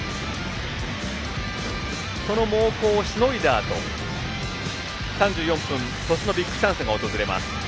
この猛攻をしのいだあと３４分、鳥栖のビッグチャンスが訪れます。